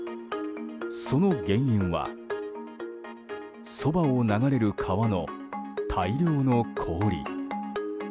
その原因はそばを流れる川の大量の氷。